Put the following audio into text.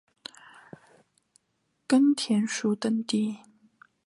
根田鼠等地。